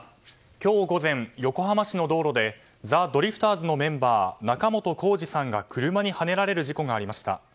今日午前、横浜市の道路でザ・ドリフターズのメンバー仲本工事さんが車にはねられる事故がありました。